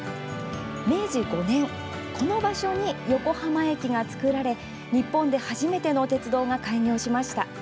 明治５年、この場所に横浜駅が作られ日本で初めての鉄道が開業しました。